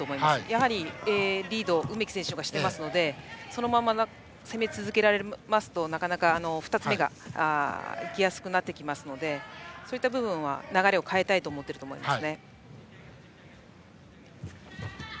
やはり、リードを梅木選手がしていますのでそのまま攻め続けられますと２つ目が行きやすくなってきますのでそういった部分は流れを変えたいと思っていると思います。